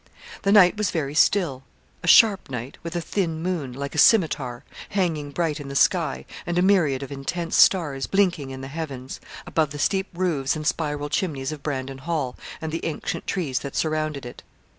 The night was very still a sharp night, with a thin moon, like a scimitar, hanging bright in the sky, and a myriad of intense stars blinking in the heavens, above the steep roofs and spiral chimneys of Brandon Hall, and the ancient trees that surrounded it.